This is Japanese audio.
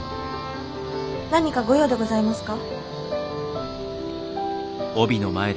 何かご用でございますか？